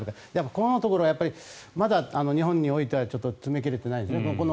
ここのところはまだ日本においてはちょっと詰め切れていないですね。